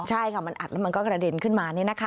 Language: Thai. ใช่ค่ะมันอัดแล้วมันก็กระเด็นขึ้นมา